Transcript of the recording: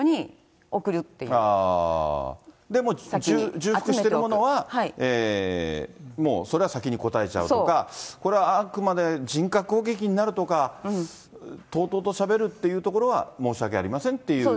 重複してるものはもうそれは先に答えちゃうとか、これはあくまで人格攻撃になるとか、とうとうとしゃべるというところは申し訳ありませんっていう。